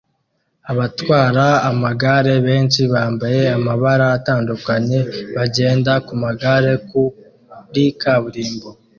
Abatwara amagare benshi bambaye amabara atandukanye bagenda ku magare kuri kaburimbo